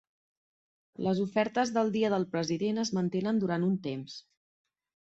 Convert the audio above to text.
Les ofertes del Dia del President es mantenen durant un temps.